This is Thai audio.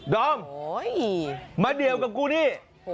ดอมมาเดี่ยวกับกูนี่